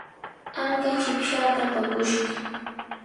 Anka chipshaata apakushqa.